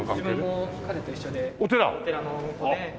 自分も彼と一緒でお寺の子で。